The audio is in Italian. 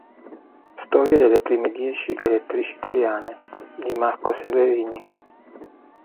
Storia delle prime dieci elettrici italiane" di Marco Severini.